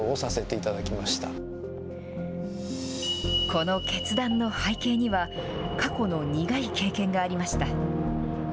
この決断の背景には、過去の苦い経験がありました。